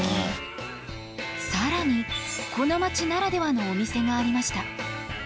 更にこの街ならではのお店がありました。